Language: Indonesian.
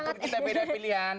walaupun kita beda pilihan